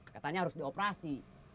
katanya harus dioperasi